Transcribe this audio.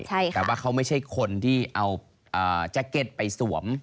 แต่ว่าเขาไม่ใช่คนที่เอาแจ็คเก็ตไปสวม